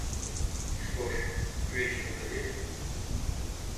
Что ж, к вечеру доедем?